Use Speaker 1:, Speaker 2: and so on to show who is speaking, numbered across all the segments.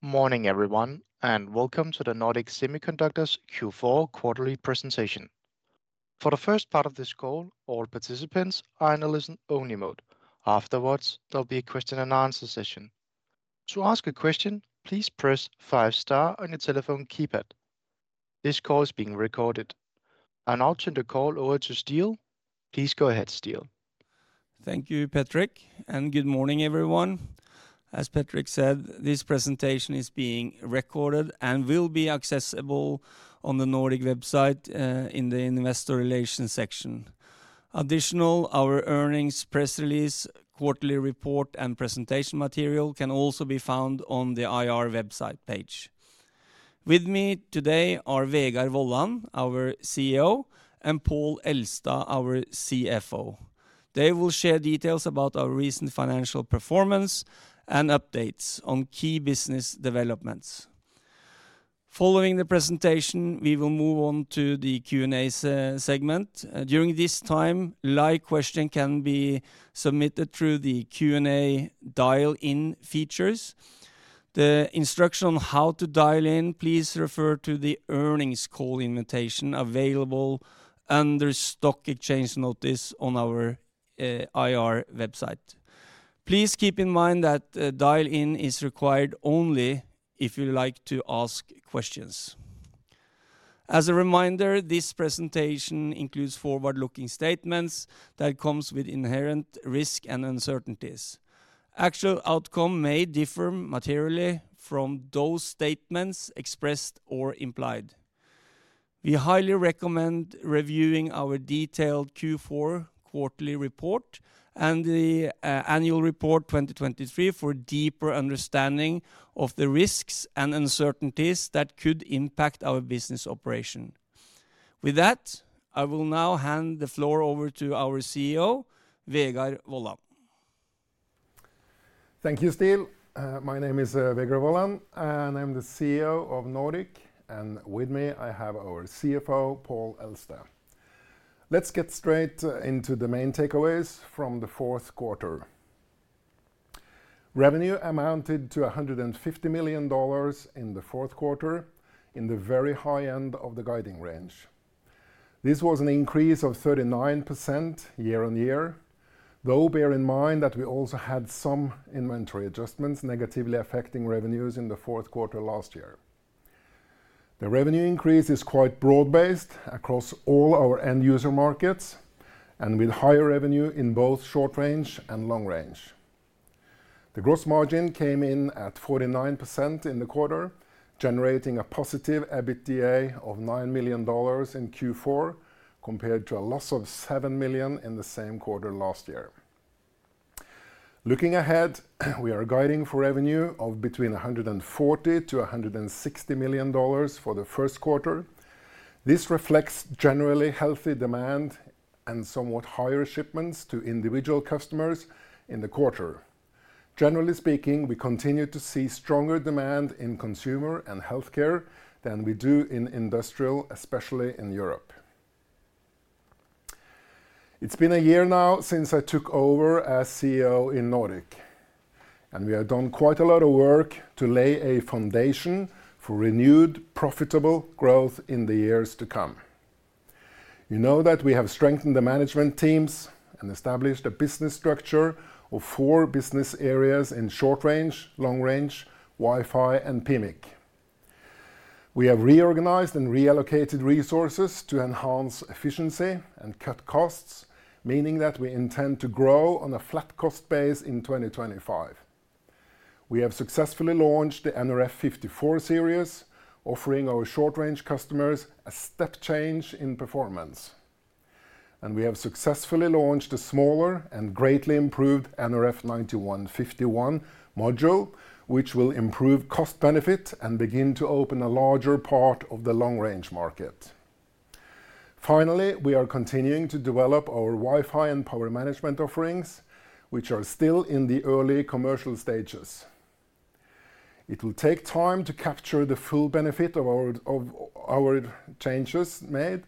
Speaker 1: Morning, everyone, and welcome to the Nordic Semiconductor's Q4 quarterly presentation. For the first part of this call, all participants are in a listen-only mode. Afterwards, there'll be a question-and-answer session. To ask a question, please press five-star on your telephone keypad. This call is being recorded. And I'll turn the call over to Ståle. Please go ahead, Ståle.
Speaker 2: Thank you, Patrick, and good morning, everyone. As Patrick said, this presentation is being recorded and will be accessible on the Nordic website in the investor relations section. Additionally, our earnings, press release, quarterly report, and presentation material can also be found on the IR website page. With me today are Vegard Wollan, our CEO, and Pål Elstad, our CFO. They will share details about our recent financial performance and updates on key business developments. Following the presentation, we will move on to the Q&A segment. During this time, live questions can be submitted through the Q&A dial-in features. The instruction on how to dial in, please refer to the earnings call invitation available under stock exchange notice on our IR website. Please keep in mind that dial-in is required only if you'd like to ask questions. As a reminder, this presentation includes forward-looking statements that come with inherent risks and uncertainties. Actual outcomes may differ materially from those statements expressed or implied. We highly recommend reviewing our detailed Q4 quarterly report and the Annual Report 2023 for a deeper understanding of the risks and uncertainties that could impact our business operation. With that, I will now hand the floor over to our CEO, Vegard Wollan.
Speaker 3: Thank you, Ståle. My name is Vegard Wollan, and I'm the CEO of Nordic, and with me, I have our CFO, Pål Elstad. Let's get straight into the main takeaways from the fourth quarter. Revenue amounted to $150 million in the fourth quarter, in the very high end of the guiding range. This was an increase of 39% year-on-year, though bear in mind that we also had some inventory adjustments negatively affecting revenues in the fourth quarter last year. The revenue increase is quite broad-based across all our end-user markets and with higher revenue in both short-range and long-range. The gross margin came in at 49% in the quarter, generating a positive EBITDA of $9 million in Q4 compared to a loss of $7 million in the same quarter last year. Looking ahead, we are guiding for revenue of between $140-$160 million for the first quarter. This reflects generally healthy demand and somewhat higher shipments to individual customers in the quarter. Generally speaking, we continue to see stronger demand in consumer and healthcare than we do in industrial, especially in Europe. It's been a year now since I took over as the CEO in Nordic, and we have done quite a lot of work to lay a foundation for renewed, profitable growth in the years to come. You know that we have strengthened the management teams and established a business structure of four business areas in short-range, long-range, Wi-Fi, and PMIC. We have reorganized and reallocated resources to enhance efficiency and cut costs, meaning that we intend to grow on a flat cost base in 2025. We have successfully launched the nRF54 Series, offering our short-range customers a step change in performance. We have successfully launched a smaller and greatly improved nRF9151 module, which will improve cost benefit and begin to open a larger part of the long-range market. Finally, we are continuing to develop our Wi-Fi and power management offerings, which are still in the early commercial stages. It will take time to capture the full benefit of our changes made,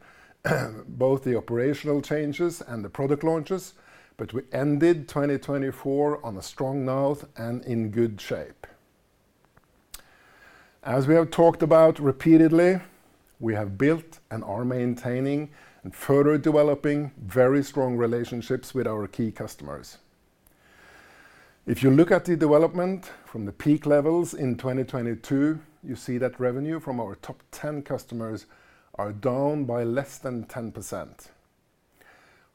Speaker 3: both the operational changes and the product launches, but we ended 2024 on a strong note and in good shape. As we have talked about repeatedly, we have built and are maintaining and further developing very strong relationships with our key customers. If you look at the development from the peak levels in 2022, you see that revenue from our top 10 customers is down by less than 10%.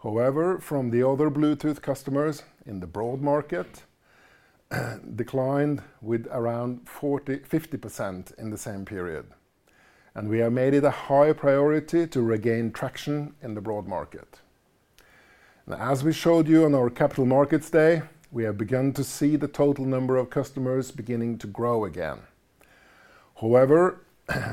Speaker 3: However, from the other Bluetooth customers in the broad market, it declined with around 50% in the same period. We have made it a high priority to regain traction in the broad market. As we showed you on our Capital Markets Day, we have begun to see the total number of customers beginning to grow again. However,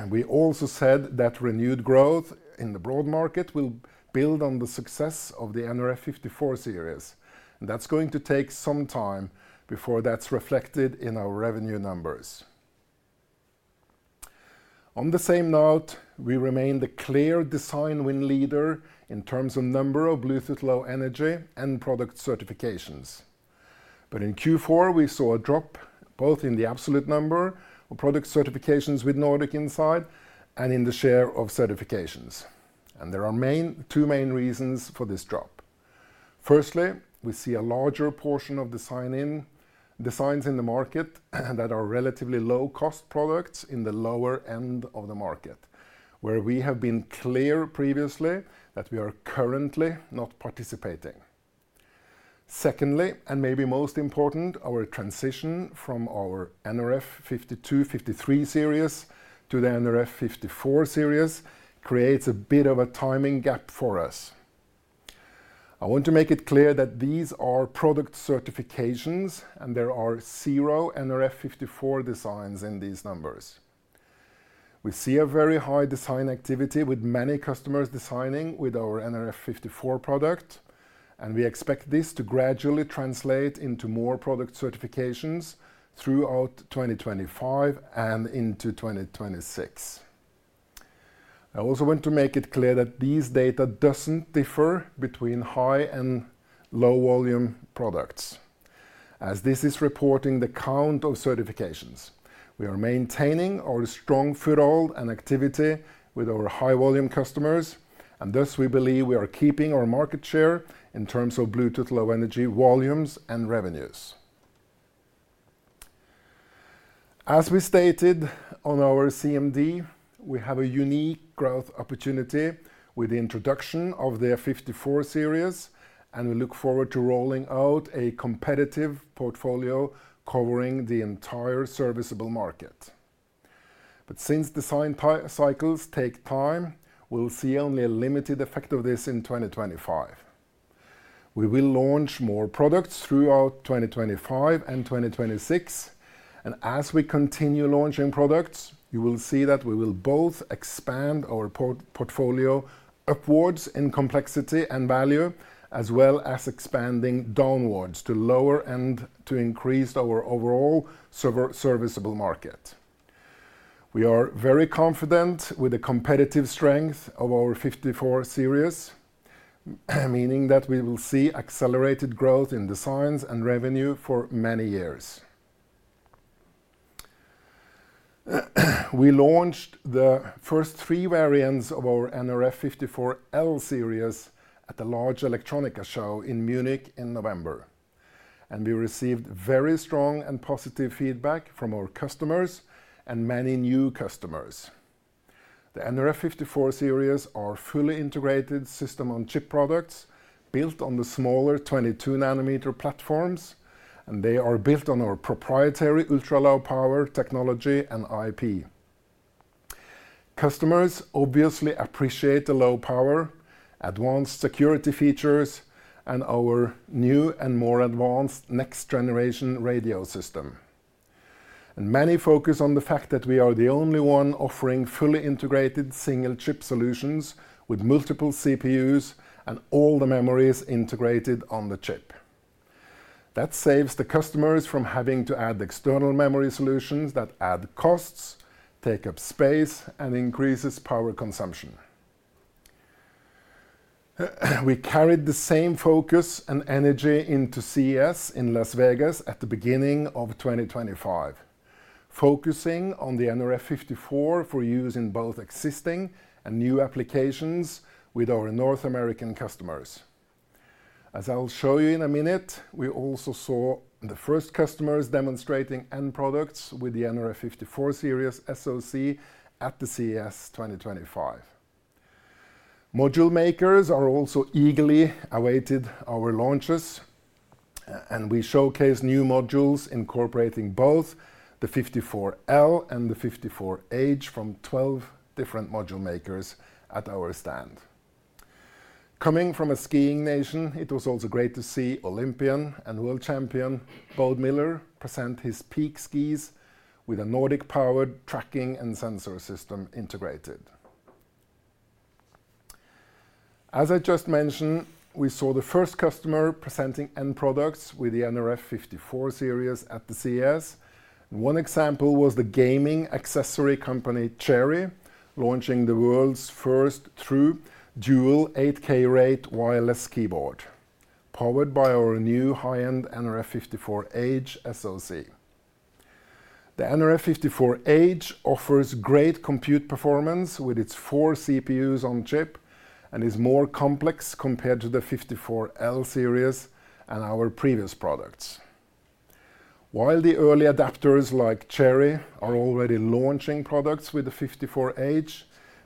Speaker 3: we also said that renewed growth in the broad market will build on the success of the nRF54 Series, and that's going to take some time before that's reflected in our revenue numbers. On the same note, we remain the clear design win leader in terms of number of Bluetooth Low Energy and product certifications. But in Q4, we saw a drop both in the absolute number of product certifications with Nordic inside and in the share of certifications. There are two main reasons for this drop. Firstly, we see a larger portion of the design wins in the market that are relatively low-cost products in the lower end of the market, where we have been clear previously that we are currently not participating. Secondly, and maybe most important, our transition from our nRF52 Series to the nRF54 Series creates a bit of a timing gap for us. I want to make it clear that these are product certifications, and there are zero nRF54 designs in these numbers. We see a very high design activity with many customers designing with our nRF54 product, and we expect this to gradually translate into more product certifications throughout 2025 and into 2026. I also want to make it clear that this data doesn't differ between high and low-volume products. As this is reporting the count of certifications, we are maintaining our strong foothold and activity with our high-volume customers, and thus we believe we are keeping our market share in terms of Bluetooth Low Energy volumes and revenues. As we stated on our CMD, we have a unique growth opportunity with the introduction of the nRF54 Series, and we look forward to rolling out a competitive portfolio covering the entire serviceable market, but since design cycles take time, we'll see only a limited effect of this in 2025. We will launch more products throughout 2025 and 2026, and as we continue launching products, you will see that we will both expand our portfolio upwards in complexity and value, as well as expanding downwards to lower and to increase our overall serviceable market. We are very confident with the competitive strength of our nRF54 Series, meaning that we will see accelerated growth in designs and revenue for many years. We launched the first three variants of our nRF54L Series at the Electronica show in Munich in November, and we received very strong and positive feedback from our customers and many new customers. The nRF54 Series are fully integrated system-on-chip products built on the smaller 22-nanometer platforms, and they are built on our proprietary ultra-low power technology and IP. Customers obviously appreciate the low power, advanced security features, and our new and more advanced next-generation radio system, and many focus on the fact that we are the only one offering fully integrated single-chip solutions with multiple CPUs and all the memories integrated on the chip. That saves the customers from having to add external memory solutions that add costs, take up space, and increase power consumption. We carried the same focus and energy into CES in Las Vegas at the beginning of 2025, focusing on the nRF54 for use in both existing and new applications with our North American customers. As I'll show you in a minute, we also saw the first customers demonstrating end products with the nRF54 Series SoC at the CES 2025. Module makers are also eagerly awaiting our launches, and we showcase new modules incorporating both the nRF54L and the nRF54H from 12 different module makers at our stand. Coming from a skiing nation, it was also great to see an Olympian and world champion Bode Miller present his Peak Skis with a Nordic-powered tracking and sensor system integrated. As I just mentioned, we saw the first customer presenting end products with the nRF54 Series at the CES. One example was the gaming accessory company Cherry launching the world's first true dual 8K rate wireless keyboard, powered by our new high-end nRF54H SoC. The nRF54H offers great compute performance with its four CPUs on chip and is more complex compared to the nRF54L Series and our previous products. While the early adopters like Cherry are already launching products with the nRF54H,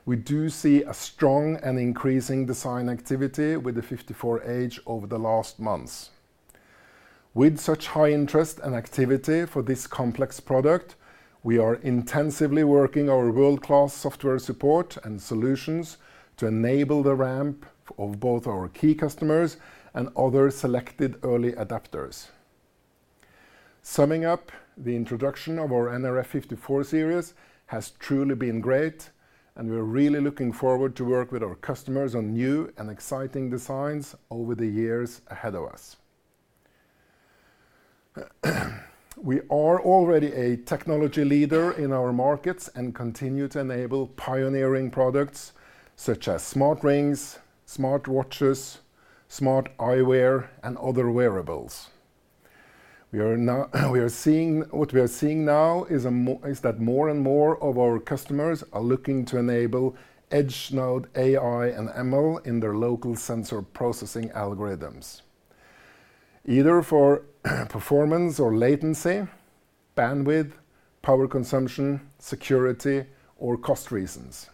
Speaker 3: we do see a strong and increasing design activity with the nRF54H over the last months. With such high interest and activity for this complex product, we are intensively working on our world-class software support and solutions to enable the ramp of both our key customers and other selected early adopters. Summing up, the introduction of our nRF54 Series has truly been great, and we're really looking forward to working with our customers on new and exciting designs over the years ahead of us. We are already a technology leader in our markets and continue to enable pioneering products such as smart rings, smart watches, smart eyewear, and other wearables. What we are seeing now is that more and more of our customers are looking to enable edge node AI and ML in their local sensor processing algorithms, either for performance or latency, bandwidth, power consumption, security, or cost reasons.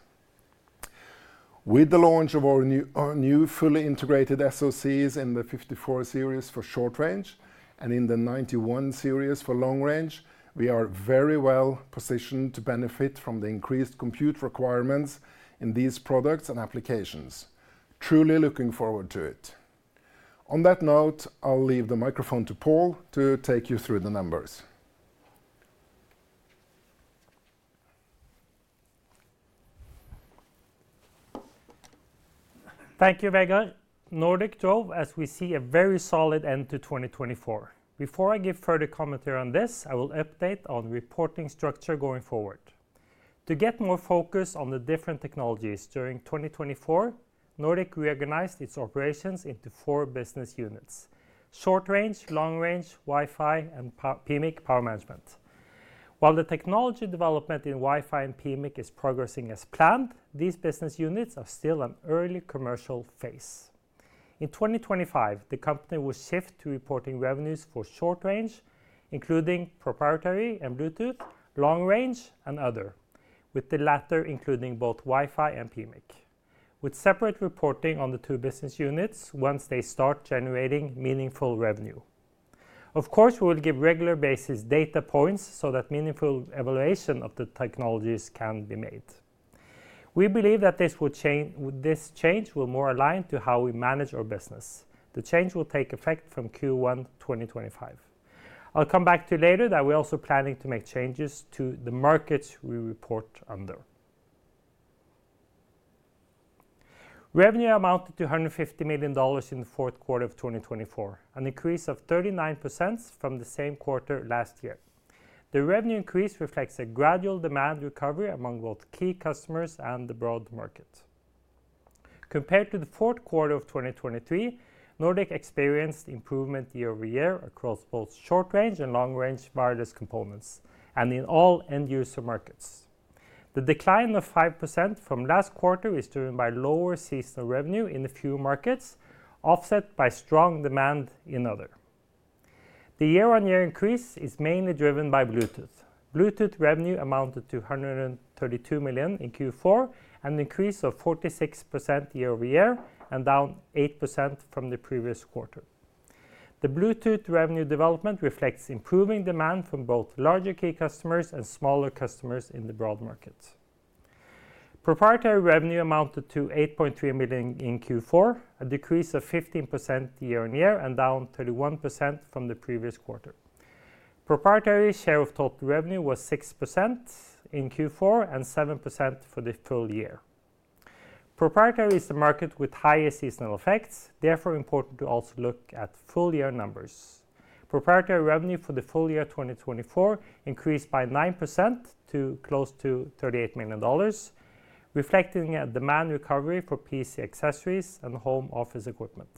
Speaker 3: With the launch of our new fully integrated SoCs in the nRF54 Series for short range and in the nRF91 Series for long range, we are very well positioned to benefit from the increased compute requirements in these products and applications. Truly looking forward to it. On that note, I'll leave the microphone to Pål to take you through the numbers.
Speaker 4: Thank you, Vegard. Nordic, today we see a very solid end to 2024. Before I give further commentary on this, I will update on reporting structure going forward. To get more focus on the different technologies during 2024, Nordic reorganized its operations into four business units: short range, long range, Wi-Fi, and PMIC power management. While the technology development in Wi-Fi and PMIC is progressing as planned, these business units are still in early commercial phase. In 2025, the company will shift to reporting revenues for short range, including proprietary and Bluetooth, long range, and other, with the latter including both Wi-Fi and PMIC, with separate reporting on the two business units once they start generating meaningful revenue. Of course, we will give regular basis data points so that meaningful evaluation of the technologies can be made. We believe that this change will be more aligned to how we manage our business. The change will take effect from Q1 2025. I'll come back to that later that we're also planning to make changes to the markets we report under. Revenue amounted to $150 million in the fourth quarter of 2024, an increase of 39% from the same quarter last year. The revenue increase reflects a gradual demand recovery among both key customers and the broad market. Compared to the fourth quarter of 2023, Nordic experienced improvement year over year across both short-range and long-range wireless components and in all end user markets. The decline of 5% from last quarter is driven by lower seasonal revenue in a few markets, offset by strong demand in other. The year-on-year increase is mainly driven by the Bluetooth. The Bluetooth revenue amounted to $132 million in Q4, an increase of 46% year-over-year and down 8% from the previous quarter. The Bluetooth revenue development reflects improving demand from both larger key customers and smaller customers in the broad market. Proprietary revenue amounted to $8.3 million in Q4, a decrease of 15% year over year and down 31% from the previous quarter. Proprietary share of total revenue was 6% in Q4 and 7% for the full year. Proprietary is the market with highest seasonal effects, therefore important to also look at full year numbers. Proprietary revenue for the full year 2024 increased by 9% to close to $38 million, reflecting a demand recovery for PC accessories and home office equipment.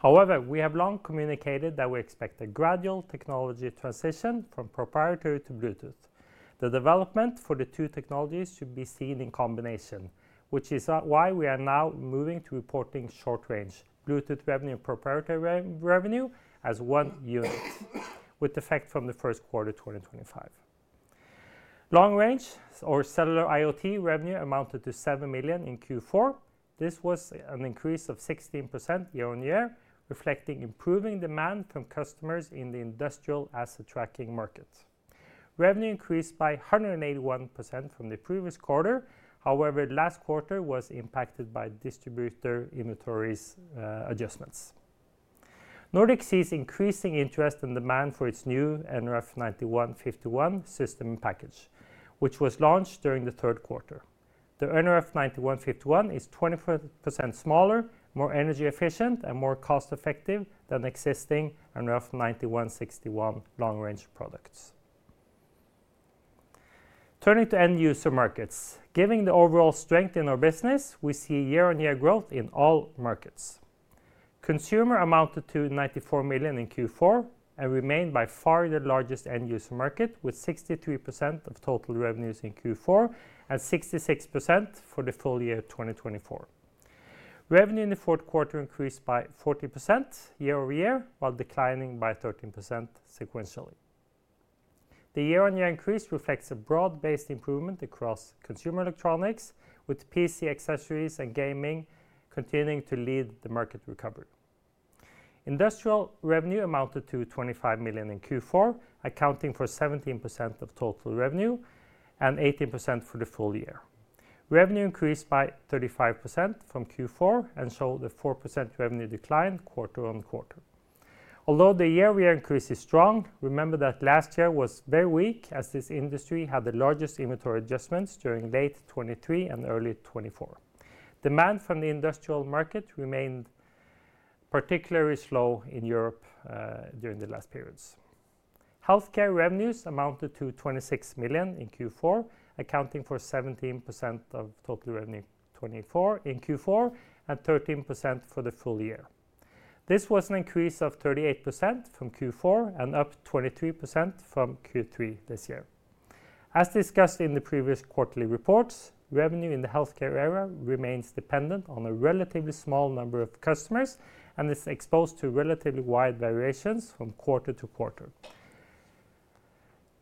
Speaker 4: However, we have long communicated that we expect a gradual technology transition from proprietary to Bluetooth. The development for the two technologies should be seen in combination, which is why we are now moving to reporting short-range, the Bluetooth revenue and proprietary revenue as one unit, with effect from the first quarter 2025. Long-range, our cellular IoT revenue amounted to $7 million in Q4. This was an increase of 16% year on year, reflecting improving demand from customers in the industrial asset tracking market. Revenue increased by 181% from the previous quarter. However, last quarter was impacted by distributor inventory adjustments. Nordic sees increasing interest and demand for its new nRF9151 System-in-Package, which was launched during the third quarter. The nRF9151 is 20% smaller, more energy efficient, and more cost-effective than existing nRF9161 long-range products. Turning to end user markets, given the overall strength in our business, we see year-on-year growth in all markets. Consumer amounted to $94 million in Q4 and remained by far the largest end user market, with 63% of total revenues in Q4 and 66% for the full year 2024. Revenue in the fourth quarter increased by 40% year-over-year, while declining by 13% sequentially. The year-on-year increase reflects a broad-based improvement across consumer electronics, with PC accessories and gaming continuing to lead the market recovery. Industrial revenue amounted to $25 million in Q4, accounting for 17% of total revenue and 18% for the full year. Revenue increased by 35% from Q4 and showed a 4% revenue decline quarter on quarter. Although the year-on-year increase is strong, remember that last year was very weak as this industry had the largest inventory adjustments during late 2023 and early 2024. Demand from the industrial market remained particularly slow in Europe during the last periods. Healthcare revenues amounted to $26 million in Q4, accounting for 17% of total revenue in Q4 and 13% for the full year. This was an increase of 38% from Q4 and up 23% from Q3 this year. As discussed in the previous quarterly reports, revenue in the healthcare area remains dependent on a relatively small number of customers and is exposed to relatively wide variations from quarter to quarter.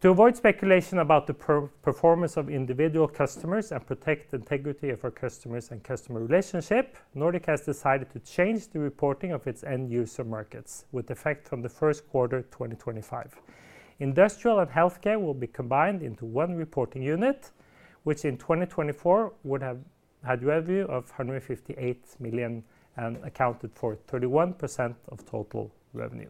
Speaker 4: To avoid speculation about the performance of individual customers and protect the integrity of our customers and customer relationship, Nordic has decided to change the reporting of its end user markets with effect from the first quarter 2025. Industrial and healthcare will be combined into one reporting unit, which in 2024 would have had a revenue of $158 million and accounted for 31% of total revenue.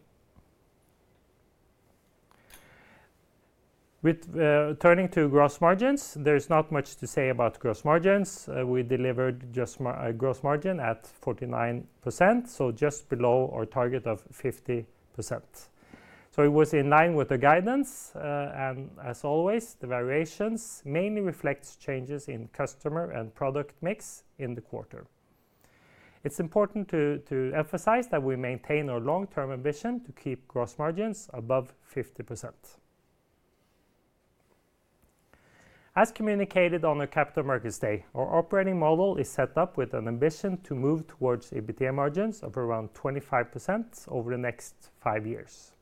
Speaker 4: Turning to gross margins, there is not much to say about gross margins. We delivered just a gross margin at 49%, so just below our target of 50%. So it was in line with the guidance, and as always, the variations mainly reflect changes in customer and product mix in the quarter. It's important to emphasize that we maintain our long-term ambition to keep gross margins above 50%. As communicated on our Capital Markets Day, our operating model is set up with an ambition to move towards EBITDA margins of around 25% over the next five years.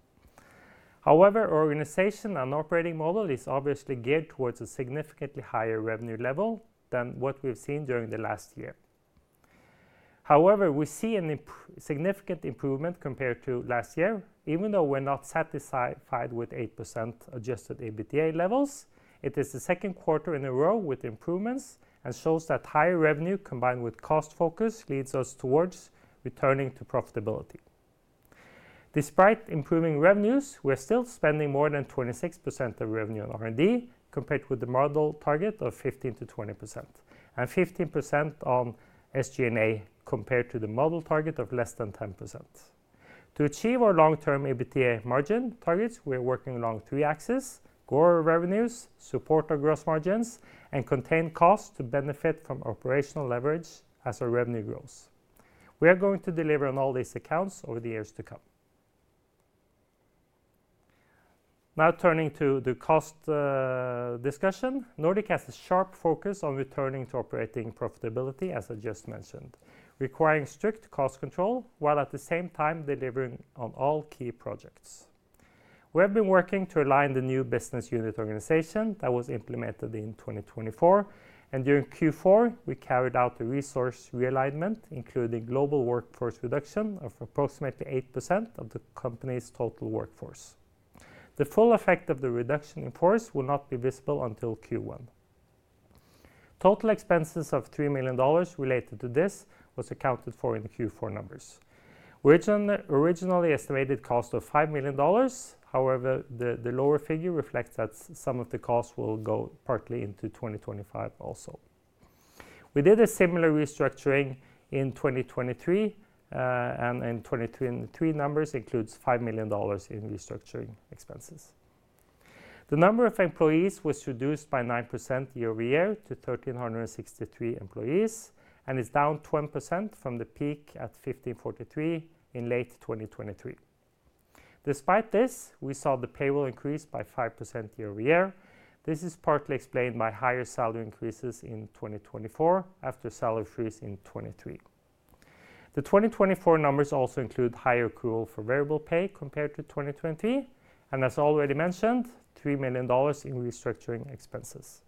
Speaker 4: However, our organization and operating model is obviously geared towards a significantly higher revenue level than what we've seen during the last year. However, we see a significant improvement compared to last year. Even though we're not satisfied with 8% adjusted EBITDA levels, it is the second quarter in a row with improvements and shows that higher revenue combined with cost focus leads us towards returning to profitability. Despite improving revenues, we're still spending more than 26% of revenue on R&D compared with the model target of 15%-20% and 15% on SG&A compared to the model target of less than 10%. To achieve our long-term EBITDA margin targets, we're working along three axes: grow our revenues, support our gross margins, and contain costs to benefit from operational leverage as our revenue grows. We are going to deliver on all these accounts over the years to come. Now turning to the cost discussion, Nordic has a sharp focus on returning to operating profitability, as I just mentioned, requiring strict cost control while at the same time delivering on all key projects. We have been working to align the new business unit organization that was implemented in 2024, and during Q4, we carried out a resource realignment, including global workforce reduction of approximately 8% of the company's total workforce. The full effect of the reduction in force will not be visible until Q1. Total expenses of $3 million related to this were accounted for in the Q4 numbers. We originally estimated a cost of $5 million. However, the lower figure reflects that some of the costs will go partly into 2025 also. We did a similar restructuring in 2023, and in 2023, numbers include $5 million in restructuring expenses. The number of employees was reduced by 9% year-over-year to 1,363 employees and is down 12% from the peak at 1,543 in late 2023. Despite this, we saw the payroll increase by 5% year over year. This is partly explained by higher salary increases in 2024 after salary freeze in 2023. The 2024 numbers also include higher accrual for variable pay compared to 2023, and as already mentioned, $3 million in restructuring expenses.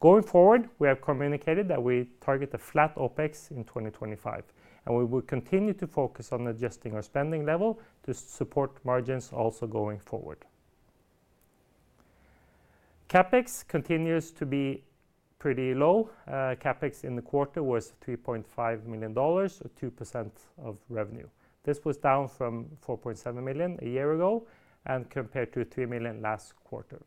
Speaker 4: Going forward, we have communicated that we target a flat OpEx in 2025, and we will continue to focus on adjusting our spending level to support margins also going forward. The CapEx continues to be pretty low. CapEx in the quarter was $3.5 million, or 2% of revenue. This was down from $4.7 million a year ago and compared to $3 million last quarter.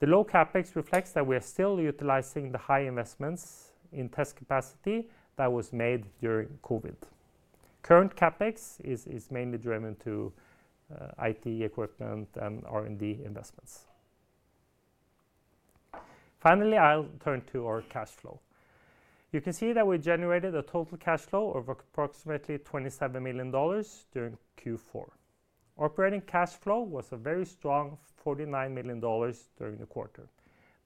Speaker 4: The low CapEx reflects that we are still utilizing the high investments in test capacity that were made during COVID. Current CapEx is mainly driven to IT equipment and R&D investments. Finally, I'll turn to our cash flow. You can see that we generated a total cash flow of approximately $27 million during Q4. Operating cash flow was a very strong $49 million during the quarter.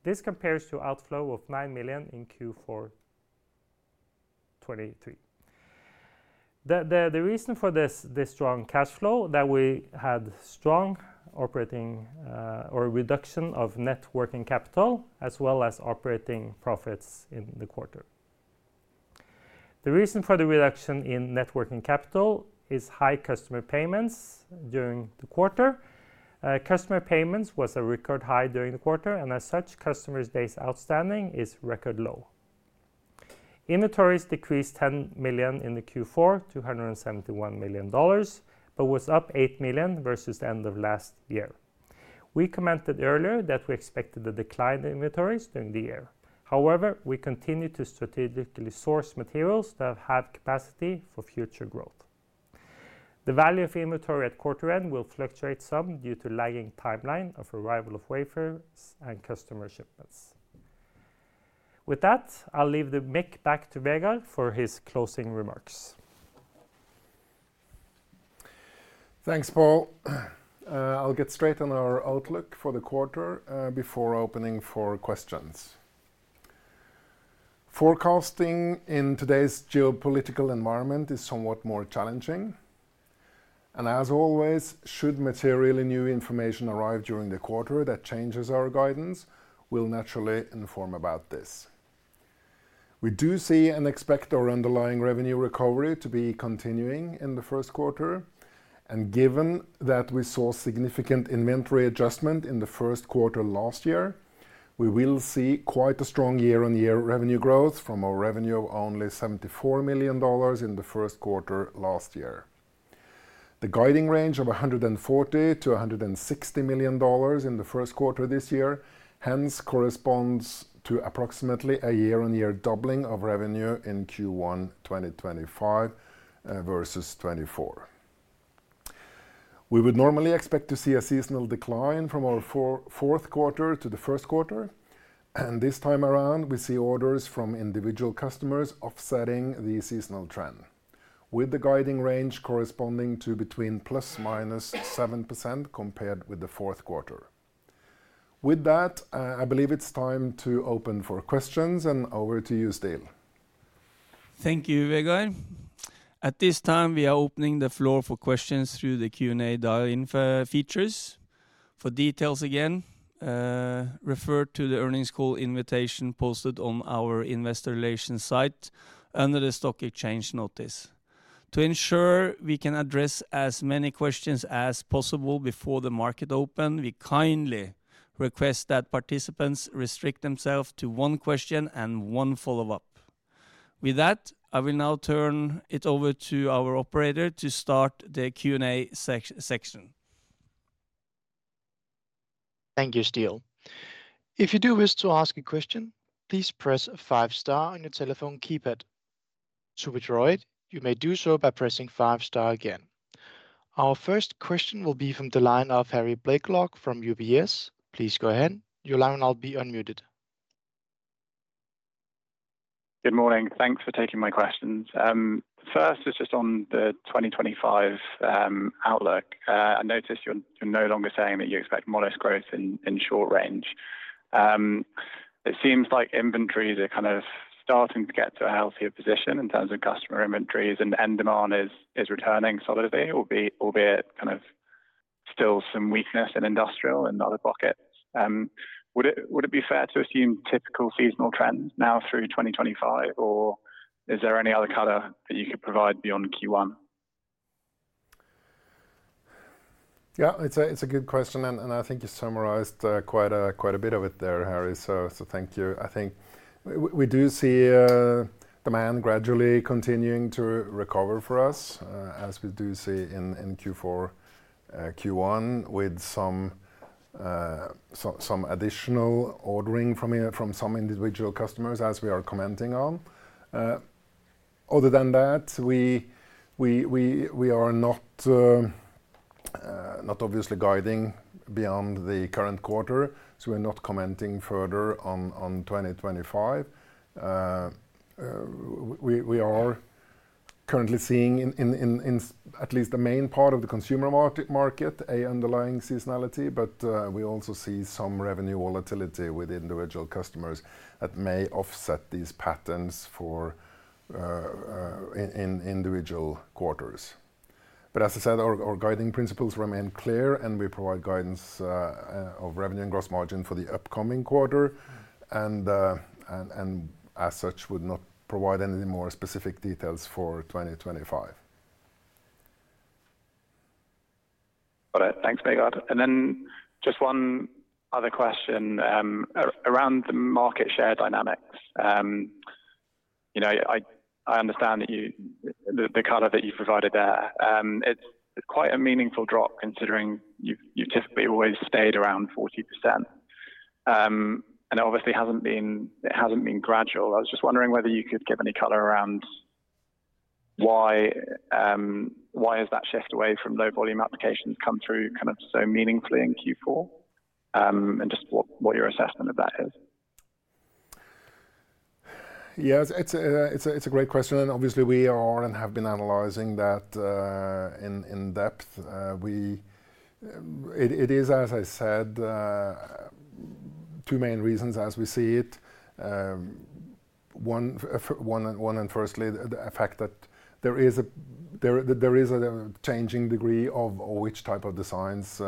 Speaker 4: This compares to an outflow of $9 million in Q4 2023. The reason for this strong cash flow is that we had strong operating profit or reduction of net working capital, as well as operating profits in the quarter. The reason for the reduction in net working capital is high customer payments during the quarter. Customer payments were at a record high during the quarter, and as such, customer's days outstanding is record low. The inventories decreased $10 million in Q4 to $171 million, but were up $8 million versus the end of last year. We commented earlier that we expected a decline in inventories during the year. However, we continue to strategically source materials that have capacity for future growth. The value of inventory at quarter end will fluctuate some due to the lagging timeline of arrival of wafers and customer shipments. With that, I'll leave the mic back to Vegard for his closing remarks.
Speaker 3: Thanks, Pål. I'll get straight on our outlook for the quarter before opening for questions. Forecasting in today's geopolitical environment is somewhat more challenging, and as always, should materially new information arrive during the quarter that changes our guidance, we'll naturally inform about this. We do see and expect our underlying revenue recovery to be continuing in the first quarter, and given that we saw significant inventory adjustment in the first quarter last year, we will see quite a strong year-on-year revenue growth from our revenue of only $74 million in the first quarter last year. The guiding range of $140-$160 million in the first quarter this year hence corresponds to approximately a year-on-year doubling of revenue in Q1 2025 versus 2024. We would normally expect to see a seasonal decline from our fourth quarter to the first quarter. This time around, we see orders from individual customers offsetting the seasonal trend, with the guidance range corresponding to between ±7% compared with the fourth quarter. With that, I believe it's time to open for questions, and over to you, Ståle.
Speaker 2: Thank you, Vegard. At this time, we are opening the floor for questions through the Q&A dial-in features. For details, again, refer to the earnings call invitation posted on our investor relations site under the stock exchange notice. To ensure we can address as many questions as possible before the market open, we kindly request that participants restrict themselves to one question and one follow-up. With that, I will now turn it over to our operator to start the Q&A section.
Speaker 1: Thank you, Ståle. If you do wish to ask a question, please press a five-star on your telephone keypad. To withdraw it, you may do so by pressing five-star again. Our first question will be from the line of Harry Blaiklock from UBS. Please go ahead. Your line will be unmuted.
Speaker 5: Good morning. Thanks for taking my questions. First, it's just on the 2025 outlook. I notice you're no longer saying that you expect modest growth in short range. It seems like inventories are kind of starting to get to a healthier position in terms of customer inventories, and end demand is returning solidly, albeit kind of still some weakness in industrial and other pockets. Would it be fair to assume typical seasonal trends now through 2025, or is there any other color that you could provide beyond Q1?
Speaker 3: Yeah, it's a good question, and I think you summarized quite a bit of it there, Harry. So thank you. I think we do see demand gradually continuing to recover for us, as we do see in Q4, Q1, with some additional ordering from some individual customers, as we are commenting on. Other than that, we are not obviously guiding beyond the current quarter, so we're not commenting further on 2025. We are currently seeing, at least the main part of the consumer market, an underlying seasonality, but we also see some revenue volatility with individual customers that may offset these patterns in individual quarters. But as I said, our guiding principles remain clear, and we provide guidance of revenue and gross margin for the upcoming quarter, and as such, would not provide any more specific details for 2025.
Speaker 5: Got it. Thanks, Vegard. And then just one other question around the market share dynamics. I understand the color that you've provided there. It's quite a meaningful drop considering you've typically always stayed around 40%. And it obviously hasn't been gradual. I was just wondering whether you could give any color around why has that shift away from low-volume applications come through kind of so meaningfully in Q4, and just what your assessment of that is.
Speaker 3: Yeah, it's a great question. And obviously, we are and have been analyzing that in depth. It is, as I said, two main reasons as we see it. One and firstly, the fact that there is a changing degree of which type of designs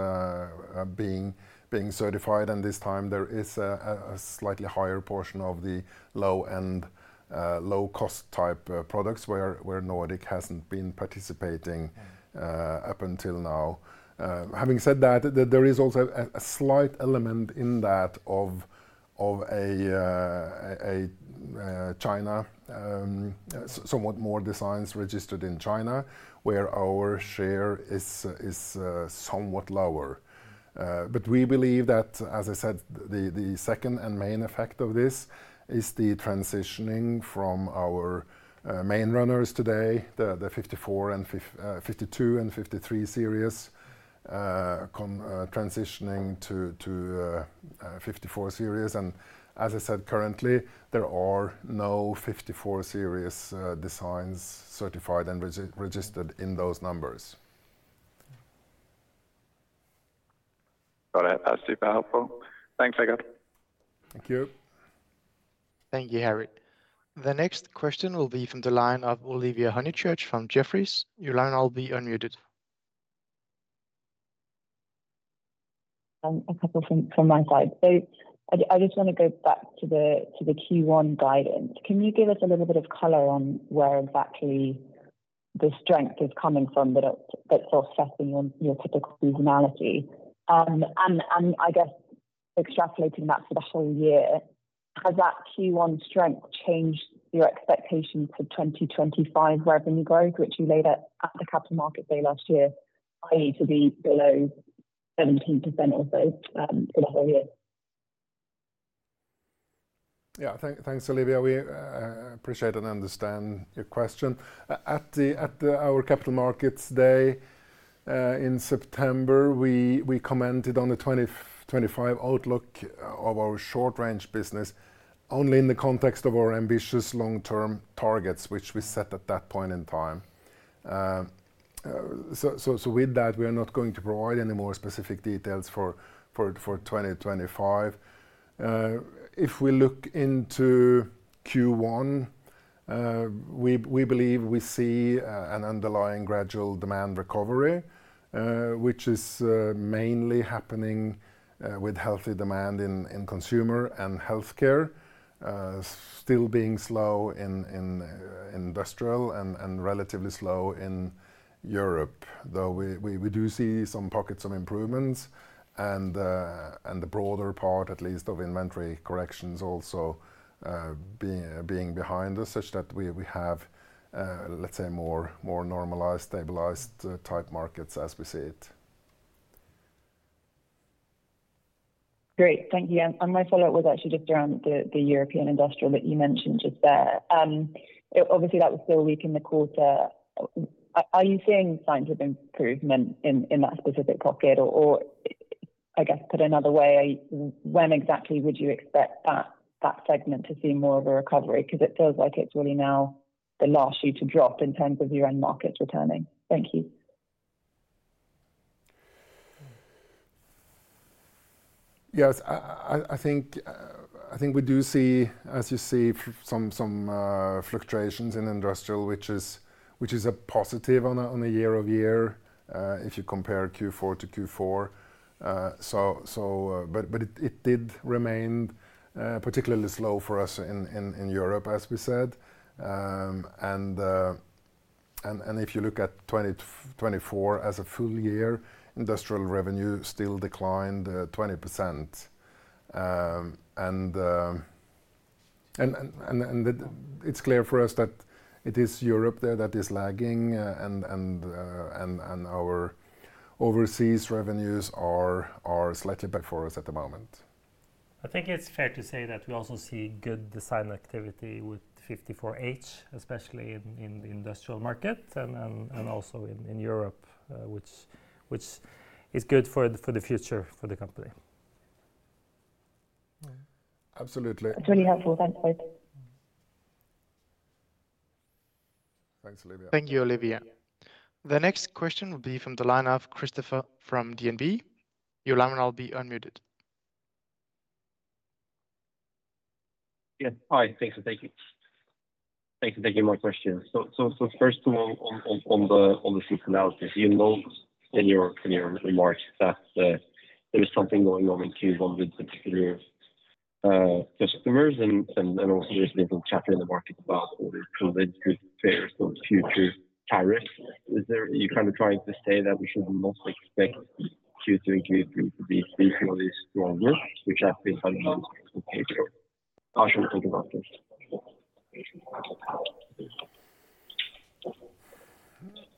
Speaker 3: being certified. And this time, there is a slightly higher portion of the low-end, low-cost type products where Nordic hasn't been participating up until now. Having said that, there is also a slight element in that of a China, somewhat more designs registered in China, where our share is somewhat lower. But we believe that, as I said, the second and main effect of this is the transitioning from our main runners today, the 54 and 52 and 53 Series, transitioning to 54 Series. And as I said, currently, there are no 54 Series designs certified and registered in those numbers.
Speaker 5: Got it. That's super helpful. Thanks, Vegard.
Speaker 3: Thank you.
Speaker 1: Thank you, Harry. The next question will be from the line of Olivia Honychurch from Jefferies. Your line will be unmuted.
Speaker 6: And a couple from my side. So I just want to go back to the Q1 guidance. Can you give us a little bit of color on where exactly the strength is coming from that's offsetting your typical seasonality? And I guess extrapolating that for the whole year, has that Q1 strength changed your expectation for 2025 revenue growth, which you laid out at the Capital Markets Day last year, i.e., to be below 17% or so for the whole year?
Speaker 3: Yeah, thanks, Olivia. We appreciate and understand your question. At our Capital Markets Day in September, we commented on the 2025 outlook of our short-range business only in the context of our ambitious long-term targets, which we set at that point in time. So with that, we are not going to provide any more specific details for 2025. If we look into Q1, we believe we see an underlying gradual demand recovery, which is mainly happening with healthy demand in consumer and healthcare, still being slow in industrial and relatively slow in Europe, though we do see some pockets of improvements and the broader part, at least, of inventory corrections also being behind us, such that we have, let's say, more normalized, stabilized type markets as we see it.
Speaker 6: Great. Thank you. And my follow-up was actually just around the European industrial that you mentioned just there. Obviously, that was still weak in the quarter. Are you seeing signs of improvement in that specific pocket? Or I guess, put another way, when exactly would you expect that segment to see more of a recovery? Because it feels like it's really now the last year to drop in terms of your end markets returning. Thank you.
Speaker 3: Yes, I think we do see, as you see, some fluctuations in industrial, which is a positive on a year-over-year if you compare Q4 to Q4. But it did remain particularly slow for us in Europe, as we said. And if you look at 2024 as a full year, industrial revenue still declined 20%. And it's clear for us that it is Europe there that is lagging, and our overseas revenues are slightly back for us at the moment.
Speaker 4: I think it's fair to say that we also see good design activity with 54H, especially in the industrial market and also in Europe, which is good for the future for the company.
Speaker 3: Absolutely.
Speaker 6: That's really helpful. Thanks.
Speaker 3: Thanks, Olivia.
Speaker 4: Thank you, Olivia.
Speaker 1: The next question will be from the line of Christoffer from DNB. Your line will be unmuted.
Speaker 7: Yes. Hi. Thanks for taking my question. So first of all, on the seasonality, you note in your remarks that there is something going on in Q1 with particular customers, and also there's been some chatter in the market about COVID, good fears, and future tariffs. Are you kind of trying to say that we should not expect Q2 and Q3 to be particularly stronger,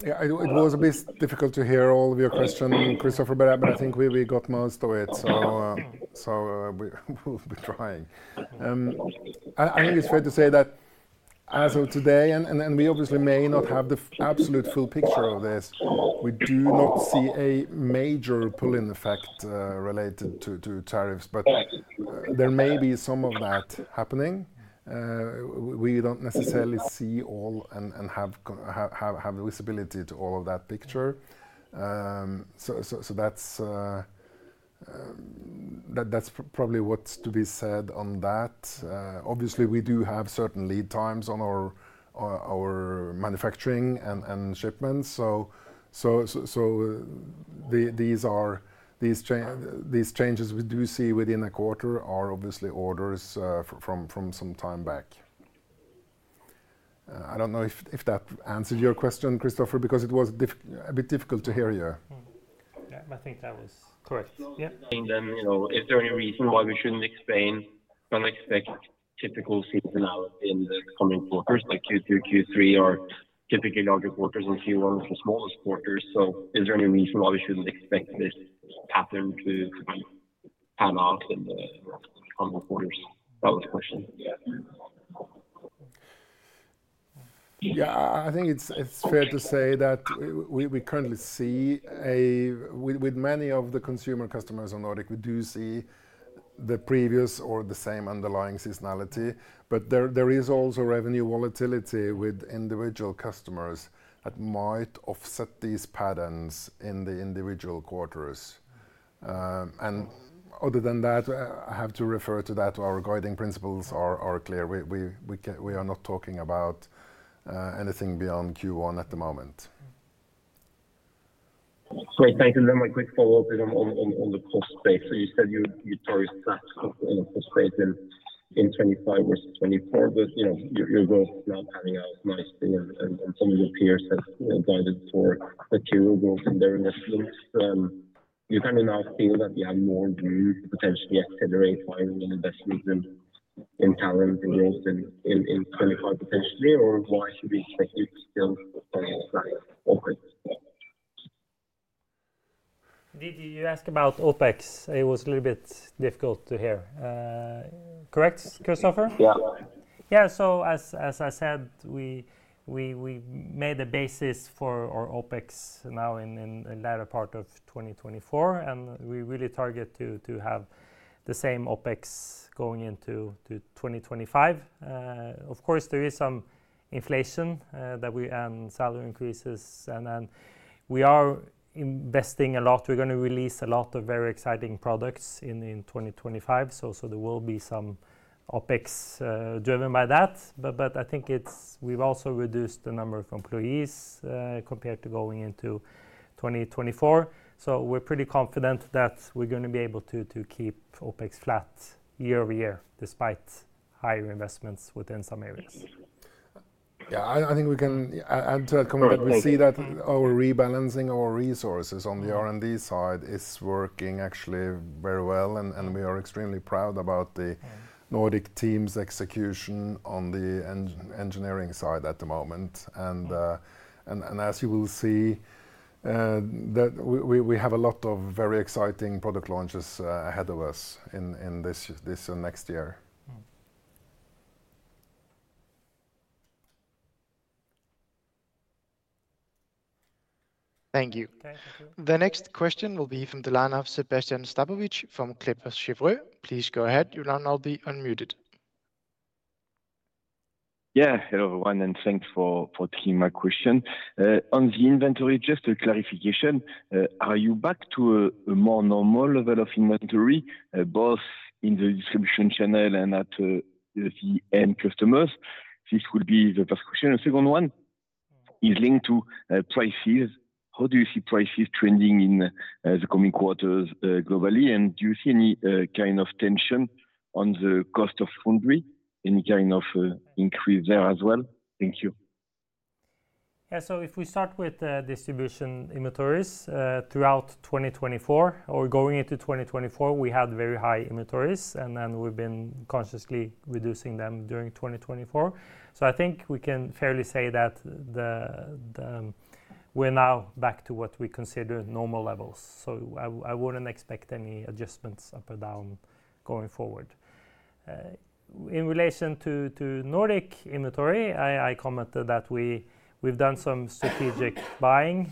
Speaker 7: which has been kind of the case? How should we think about this?
Speaker 3: It was a bit difficult to hear all of your questions, Christoffer, but I think we got most of it, so we'll be trying. I think it's fair to say that as of today, and we obviously may not have the absolute full picture of this, we do not see a major pulling effect related to tariffs, but there may be some of that happening. We don't necessarily see all and have visibility to all of that picture. So that's probably what's to be said on that. Obviously, we do have certain lead times on our manufacturing and shipments. So these changes we do see within a quarter are obviously orders from some time back. I don't know if that answered your question, Christoffer, because it was a bit difficult to hear you.
Speaker 4: Yeah, I think that was correct. Yeah.
Speaker 7: Saying then, is there any reason why we shouldn't expect typical seasonality in the coming quarters, like Q2, Q3, or typically larger quarters and Q1s and smallest quarters? So is there any reason why we shouldn't expect this pattern to pan out in the coming quarters? That was the question.
Speaker 3: Yeah, I think it's fair to say that we currently see, with many of the consumer customers on Nordic, we do see the previous or the same underlying seasonality. But there is also revenue volatility with individual customers that might offset these patterns in the individual quarters. And other than that, I have to refer to that our guiding principles are clear. We are not talking about anything beyond Q1 at the moment.
Speaker 7: Great. Thank you. Then my quick follow-up is on the cost space. So you said you targeted that in the cost space in 2025 versus 2024, but your growth is now panning out nicely, and some of your peers have guided for material growth in their investments. You kind of now feel that you have more room to potentially accelerate finally investments in talent and growth in 2025 potentially, or why should we expect you to still push that OpEx?
Speaker 4: Did you ask about OpEx? It was a little bit difficult to hear. Correct, Christoffer?
Speaker 7: Yeah.
Speaker 4: Yeah. So as I said, we made a base for our OpEx now in the latter part of 2024, and we really target to have the same OpEx going into 2025. Of course, there is some inflation and salary increases, and we are investing a lot. We're going to release a lot of very exciting products in 2025, so there will be some OpEx driven by that. But I think we've also reduced the number of employees compared to going into 2024. So we're pretty confident that we're going to be able to keep OpEx flat year over year despite higher investments within some areas.
Speaker 3: Yeah, I think we can add to that comment that we see that our rebalancing of our resources on the R&D side is working actually very well, and we are extremely proud about the Nordic team's execution on the engineering side at the moment. And as you will see, we have a lot of very exciting product launches ahead of us in this and next year.
Speaker 1: Thank you. The next question will be from the line of Sébastien Sztabowicz from Kepler Cheuvreux. Please go ahead. Your line will be unmuted.
Speaker 8: Yeah, hello everyone, and thanks for taking my question. On the inventory, just a clarification. Are you back to a more normal level of inventory, both in the distribution channel and at the end customers? This would be the first question. A second one is linked to prices. How do you see prices trending in the coming quarters globally, and do you see any kind of tension on the cost of foundry, any kind of increase there as well? Thank you.
Speaker 4: Yeah, so if we start with distribution inventories, throughout 2024 or going into 2024, we had very high inventories, and then we've been consciously reducing them during 2024, so I think we can fairly say that we're now back to what we consider normal levels, so I wouldn't expect any adjustments up or down going forward. In relation to the Nordic inventory, I commented that we've done some strategic buying.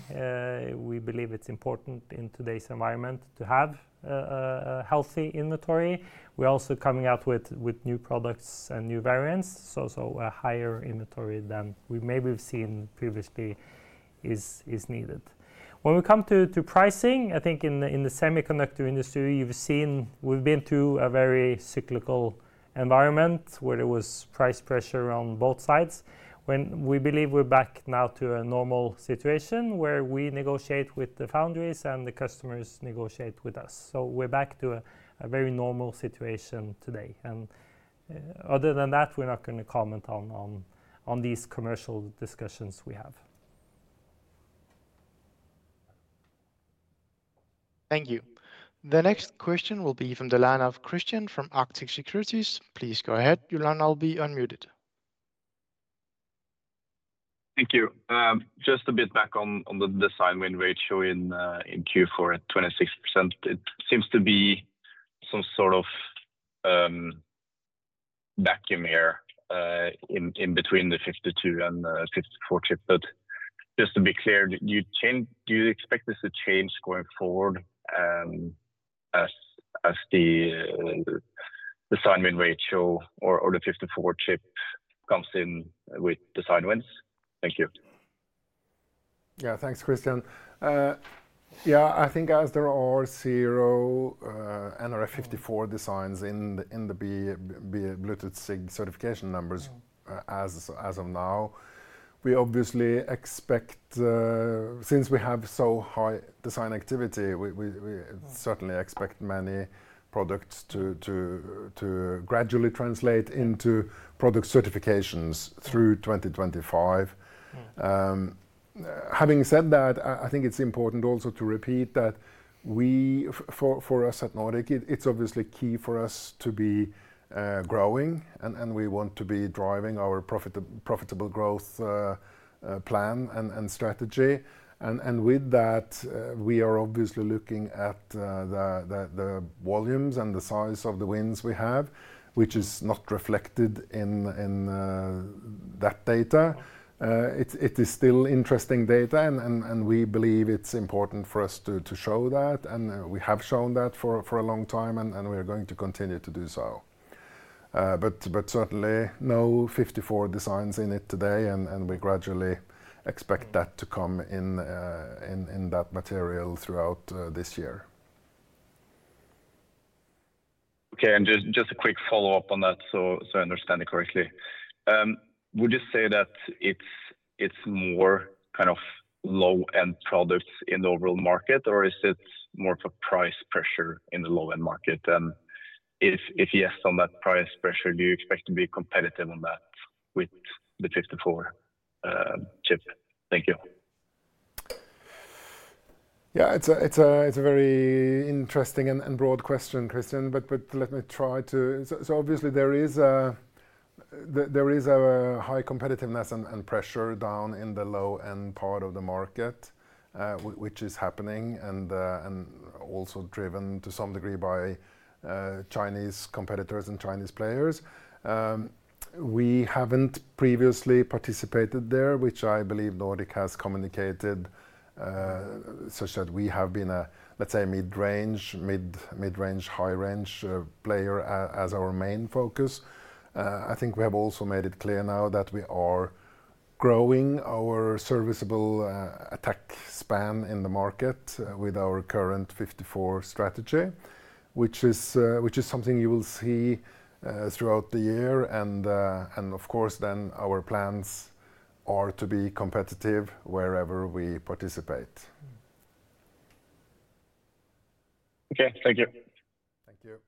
Speaker 4: We believe it's important in today's environment to have a healthy inventory. We're also coming out with new products and new variants, so a higher inventory than we maybe have seen previously is needed. When we come to pricing, I think in the semiconductor industry, we've been through a very cyclical environment where there was price pressure on both sides. We believe we're back now to a normal situation where we negotiate with the foundries and the customers negotiate with us. So we're back to a very normal situation today. And other than that, we're not going to comment on these commercial discussions we have.
Speaker 1: Thank you. The next question will be from the line of Kristian from Arctic Securities. Please go ahead. Your line will be unmuted.
Speaker 9: Thank you. Just a bit back on the design win rate showing in Q4 at 26%. It seems to be some sort of vacuum here in between the 52 and 54 chips. But just to be clear, do you expect this to change going forward as the design win rate shows or the 54 chip comes in with design wins? Thank you.
Speaker 3: Yeah, thanks, Kristian. Yeah, I think as there are zero nRF54 designs in the Bluetooth SIG certification numbers as of now, we obviously expect, since we have so high design activity, we certainly expect many products to gradually translate into product certifications through 2025. Having said that, I think it's important also to repeat that for us at Nordic, it's obviously key for us to be growing, and we want to be driving our profitable growth plan and strategy, and with that, we are obviously looking at the volumes and the size of the wins we have, which is not reflected in that data. It is still interesting data, and we believe it's important for us to show that, and we have shown that for a long time, and we are going to continue to do so. But certainly, no 54 designs in it today, and we gradually expect that to come in that material throughout this year.
Speaker 9: Okay, and just a quick follow-up on that, so I understand it correctly. Would you say that it's more kind of low-end products in the overall market, or is it more of a price pressure in the low-end market? And if yes, on that price pressure, do you expect to be competitive on that with the 54 chip? Thank you.
Speaker 3: Yeah, it's a very interesting and broad question, Kristian, but let me try to. So obviously, there is a high competitiveness and pressure down in the low-end part of the market, which is happening and also driven to some degree by the Chinese competitors and the Chinese players. We haven't previously participated there, which I believe Nordic has communicated, such that we have been a, let's say, mid-range, mid-range, high-range player as our main focus. I think we have also made it clear now that we are growing our serviceable attack span in the market with our current 54 strategy, which is something you will see throughout the year, and of course then our plans are to be competitive wherever we participate.
Speaker 9: Okay, thank you.
Speaker 3: Thank you.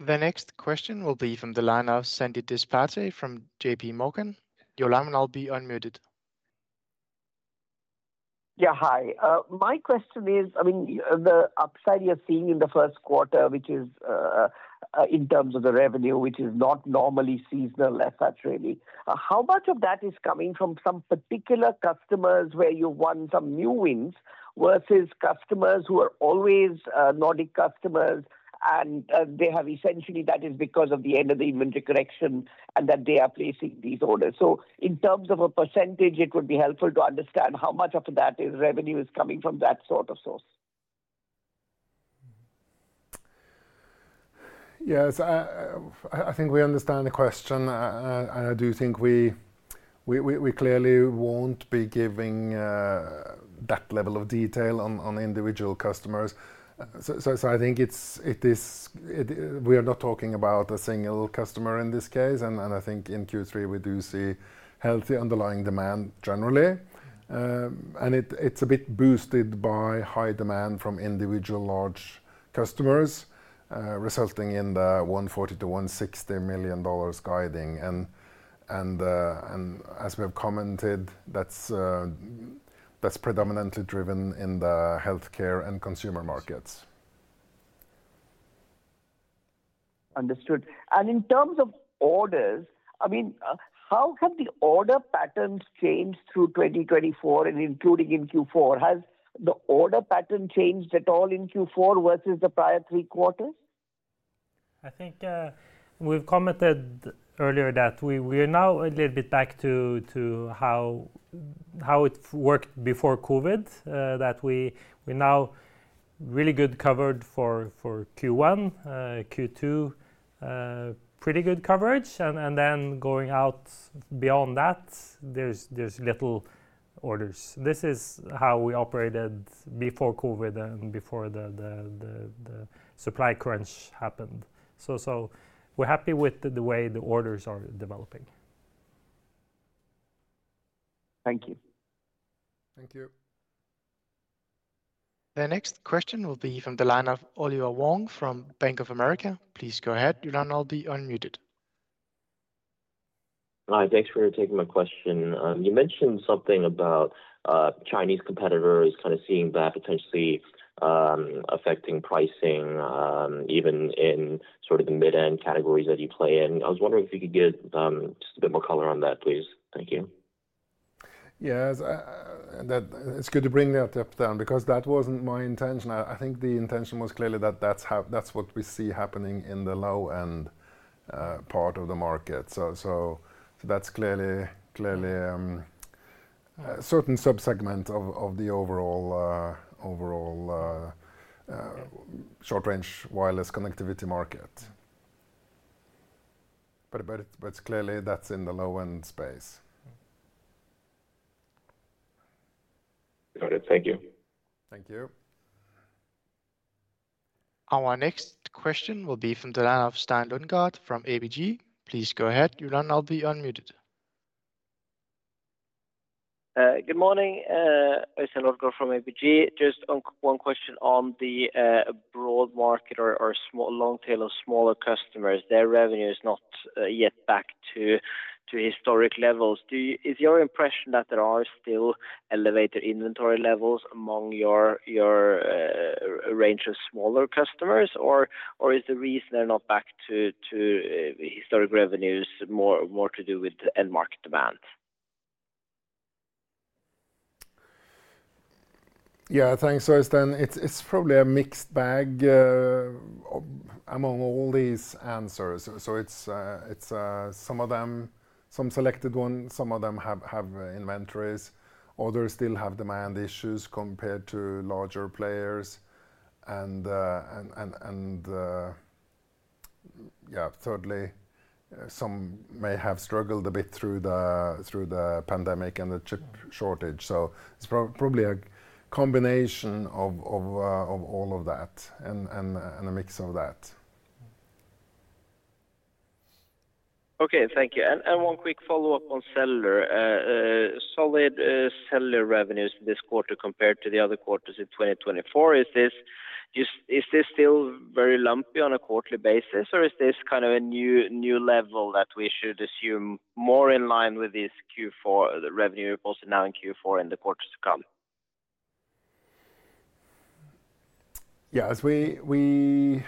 Speaker 1: The next question will be from the line of Sandeep Deshpande from JPMorgan. Your line will be unmuted.
Speaker 10: Yeah, hi. My question is, I mean, the upside you're seeing in the first quarter, which is in terms of the revenue, which is not normally seasonal as such, really, how much of that is coming from some particular customers where you've won some new wins versus customers who are always Nordic customers, and they have essentially that is because of the end of the inventory correction and that they are placing these orders? So in terms of a percentage, it would be helpful to understand how much of that revenue is coming from that sort of source.
Speaker 3: Yes, I think we understand the question, and I do think we clearly won't be giving that level of detail on individual customers. So I think we are not talking about a single customer in this case, and I think in Q3, we do see healthy underlying demand generally. And it's a bit boosted by high demand from individual large customers, resulting in the $140-$160 million guiding. And as we have commented, that's predominantly driven in the healthcare and consumer markets.
Speaker 10: Understood. And in terms of orders, I mean, how have the order patterns changed through 2024, including in Q4? Has the order pattern changed at all in Q4 versus the prior three quarters?
Speaker 4: I think we've commented earlier that we are now a little bit back to how it worked before COVID, that we now have really good coverage for Q1, Q2, pretty good coverage, and then going out beyond that, there's little orders. This is how we operated before COVID and before the supply crunch happened, so we're happy with the way the orders are developing.
Speaker 10: Thank you.
Speaker 3: Thank you.
Speaker 1: The next question will be from the line of Oliver Wong from Bank of America. Please go ahead. Your line will be unmuted.
Speaker 11: Hi, thanks for taking my question. You mentioned something about Chinese competitors kind of seeing that potentially affecting pricing even in sort of the mid-end categories that you play in. I was wondering if you could give just a bit more color on that, please. Thank you.
Speaker 3: Yes, and it's good to bring that up there because that wasn't my intention. I think the intention was clearly that that's what we see happening in the low-end part of the market. So that's clearly a certain subsegment of the overall short-range wireless connectivity market. But it's clearly that's in the low-end space.
Speaker 11: Got it. Thank you.
Speaker 3: Thank you.
Speaker 1: Our next question will be from the line of Øystein Lodgaard from ABG. Please go ahead. Your line will be unmuted.
Speaker 12: Good morning. Øystein Lodgaard from ABG. Just one question on the broad market or long tail of smaller customers. Their revenue is not yet back to historic levels. Is your impression that there are still elevated inventory levels among your range of smaller customers, or is the reason they're not back to historic revenues more to do with end-market demand?
Speaker 3: Yeah, thanks, Øystein. It's probably a mixed bag among all these answers, so some of them, some selected ones, some of them have inventories. Others still have demand issues compared to larger players, and yeah, thirdly, some may have struggled a bit through the pandemic and the chip shortage, so it's probably a combination of all of that and a mix of that.
Speaker 12: Okay, thank you. And one quick follow-up on cellular. Solid cellular revenues this quarter compared to the other quarters in 2024. Is this still very lumpy on a quarterly basis, or is this kind of a new level that we should assume more in line with this Q4 revenue reports now in Q4 and the quarters to come?
Speaker 3: Yeah, answering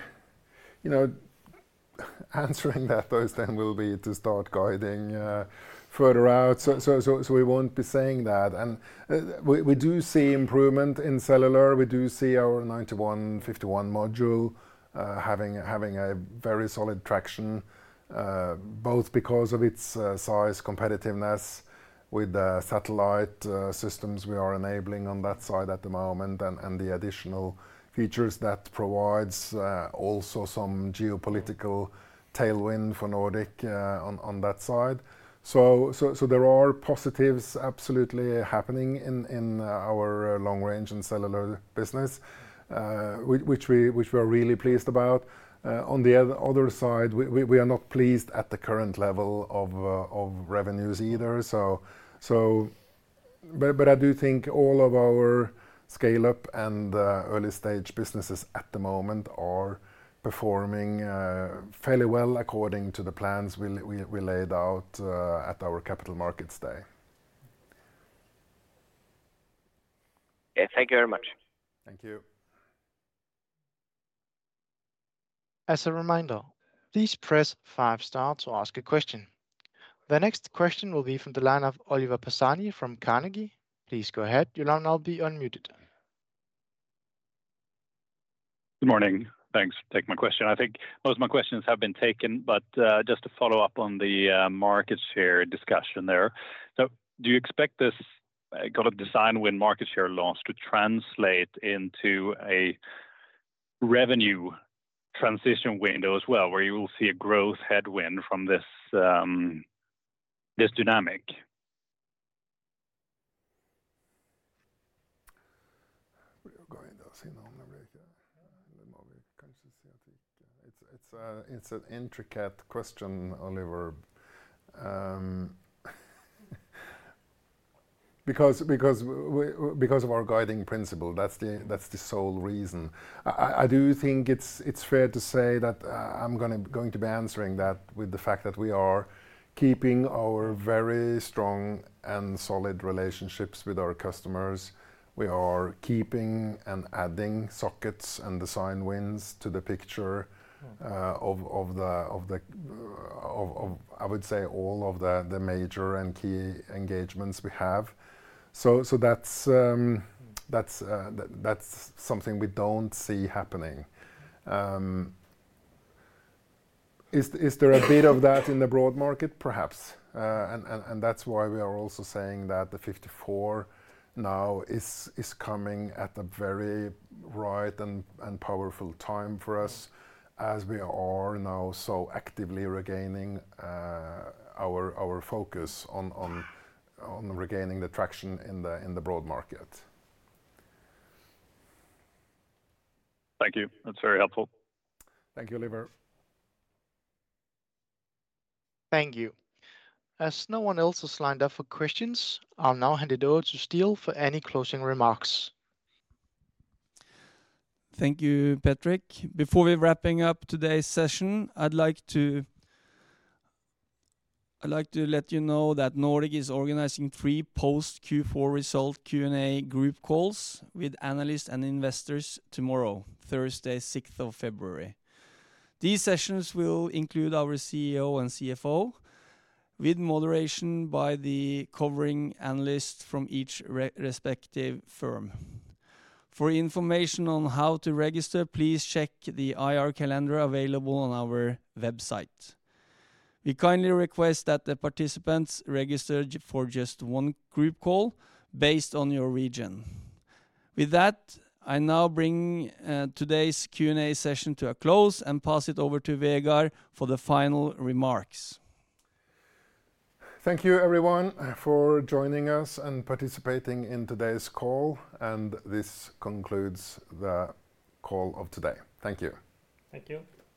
Speaker 3: that, Øystein, will be to start guiding further out. So we won't be saying that. And we do see improvement in cellular. We do see our nRF9151 module having a very solid traction, both because of its size, competitiveness with the satellite systems we are enabling on that side at the moment, and the additional features that provides also some geopolitical tailwind for Nordic on that side. So there are positives absolutely happening in our long-range and cellular business, which we are really pleased about. On the other side, we are not pleased at the current level of revenues either. But I do think all of our scale-up and early-stage businesses at the moment are performing fairly well according to the plans we laid out at our Capital Markets Day.
Speaker 12: Okay, thank you very much.
Speaker 3: Thank you.
Speaker 1: As a reminder, please press five-star to ask a question. The next question will be from the line of Oliver Pisani from Carnegie. Please go ahead. Your line will be unmuted.
Speaker 13: Good morning. Thanks for taking my question. I think most of my questions have been taken, but just to follow up on the market share discussion there. So do you expect this kind of design win market share launch to translate into a revenue transition window as well, where you will see a growth headwind from this dynamic?
Speaker 3: It's an intricate question, Oliver, because of our guiding principle. That's the sole reason. I do think it's fair to say that I'm going to be answering that with the fact that we are keeping our very strong and solid relationships with our customers. We are keeping and adding sockets and design wins to the picture of, I would say, all of the major and key engagements we have. So that's something we don't see happening. Is there a bit of that in the broad market? Perhaps. And that's why we are also saying that the 54 now is coming at a very right and powerful time for us as we are now so actively regaining our focus on regaining the traction in the broad market.
Speaker 13: Thank you. That's very helpful.
Speaker 3: Thank you, Oliver.
Speaker 1: Thank you. As no one else has lined up for questions, I'll now hand it over to Ståle for any closing remarks.
Speaker 2: Thank you, Patrick. Before we're wrapping up today's session, I'd like to let you know that Nordic is organizing three post-Q4 result Q&A group calls with analysts and investors tomorrow, Thursday, 6th of February. These sessions will include our CEO and CFO with moderation by the covering analysts from each respective firm. For information on how to register, please check the IR calendar available on our website. We kindly request that the participants register for just one group call based on your region. With that, I now bring today's Q&A session to a close and pass it over to Vegard for the final remarks.
Speaker 3: Thank you, everyone, for joining us and participating in today's call. This concludes the call of today. Thank you.
Speaker 4: Thank you.